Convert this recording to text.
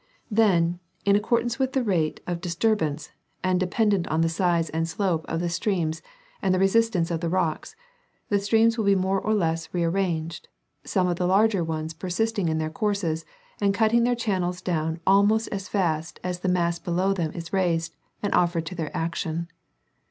Then, in accordance with the rate of disturbance, and 17 216 ' National Geographic Magazine. dependent on the size and slope of the streams and the resistance of the rocks, the streams will be more or less re arranged, some of the larger ones persisting in their courses and cutting their channels down almost as fast as the mass below them is raised and offered to their action.